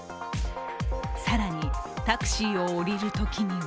更に、タクシーを降りるときには